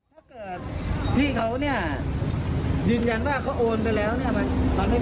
ถ้าเกิดพี่เขาเนี่ยยืนยันว่าเขาโอนไปแล้วเนี่ยตอนไม่เข้าเนี่ย